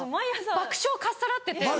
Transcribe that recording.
爆笑をかっさらってて。